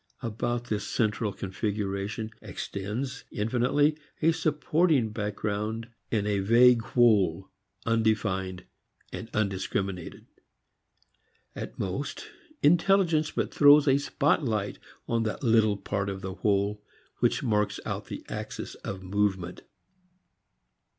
About this central figuration extends infinitely a supporting background in a vague whole, undefined and undiscriminated. At most intelligence but throws a spotlight on that little part of the whole which marks out the axis of movement.